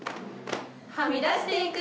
はみ出していく。